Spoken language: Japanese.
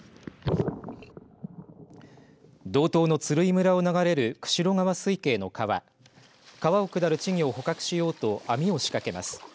道東の鶴居村を流れる釧路川水系の川川を下る稚魚を捕獲しようと網を仕掛けます。